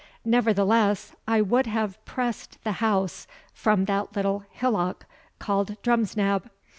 Nevertheless, I would have pressed the house from that little hillock called Drumsnab.